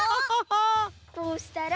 こうしたら。